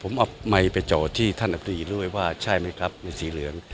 ผมเอาไมค์ไปจอดที่ท่านอับตรีด้วยว่าใช่ไหมครับในสีเหลือง